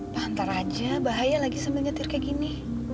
pak ntar aja bahaya lagi sambil nyetir kayak gini